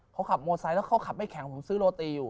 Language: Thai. เขาขับมอไซค์แล้วเขาขับไม่แข็งผมซื้อโรตีอยู่